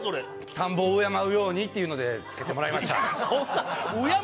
田んぼを敬うようにってことで、つけてもらいました。